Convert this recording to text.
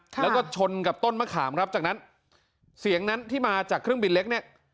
แล้วก็ชนกับต้นมะขามครับจากนั้นเสียงนั้นที่มาจากเครื่องบินเล็กเนี่ย